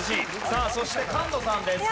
さあそして菅野さんです。